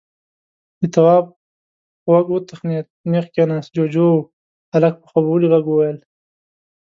د تواب غوږ وتخنېد، نېغ کېناست. جُوجُو و. هلک په خوبولي غږ وويل: